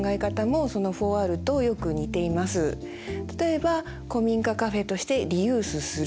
例えば古民家カフェとしてリユースする。